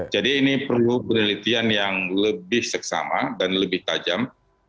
jadi ini perlu penelitian yang lebih seksama dan lebih tajam